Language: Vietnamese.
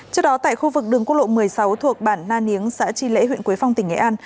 trước đó tại khu vực đường quốc lộ một mươi sáu thuộc bản na niếng xã tri lễ huyện quế phong tỉnh nghệ an